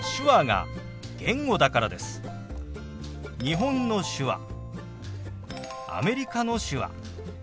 日本の手話アメリカの手話